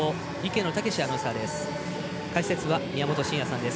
解説は宮本慎也さんです。